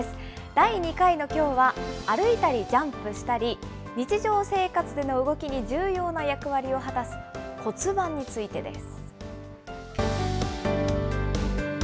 第２回のきょうは、歩いたりジャンプしたり、日常生活での動きに重要な役割を果たす骨盤についてです。